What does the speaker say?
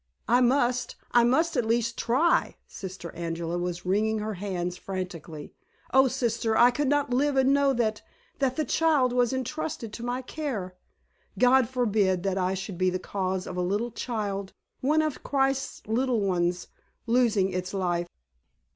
"I must I must at least try!" Sister Angela was wringing her hands frantically. "Oh, sister, I could not live and know that that the child was intrusted to my care. God forbid that I should be the cause of a little child one of Christ's little ones losing its life!"